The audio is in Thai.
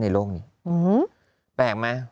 โลกนี้แปลกไหม